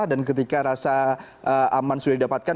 dan ketika rasa aman sudah didapatkan